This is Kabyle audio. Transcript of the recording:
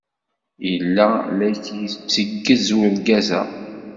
Yella la k-yetteggez urgaz-a?